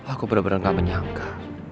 aku benar benar gak menyangka